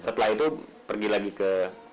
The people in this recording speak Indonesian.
setelah itu pergi lagi ke